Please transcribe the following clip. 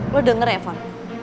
lo denger ya fon